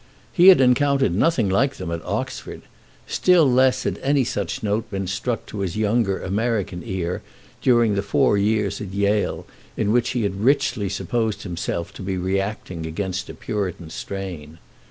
He had encountered nothing like them at Oxford; still less had any such note been struck to his younger American ear during the four years at Yale in which he had richly supposed himself to be reacting against a Puritan strain.